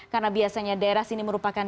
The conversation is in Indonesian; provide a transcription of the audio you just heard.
karena biasanya daerah sini merupakan